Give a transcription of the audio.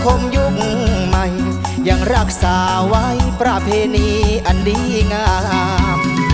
ผมยุคใหม่ยังรักษาไว้ประเพณีอันดีงาม